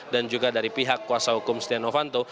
dan juga dari pihak kuasa hukum setionofanto